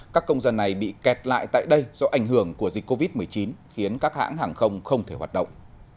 các công dân này bị kẹt lại tại đây do ảnh hưởng của dịch covid một mươi chín khiến các hãng hàng không không thể hoạt động